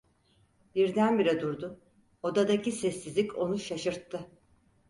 Birdenbire durdu; odadaki sessizlik onu şaşırttı.